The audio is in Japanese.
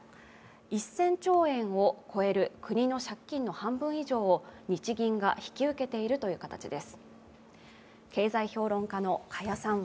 １０００兆円を超える国の謝金の半分以上を日銀が引き受けているという形です。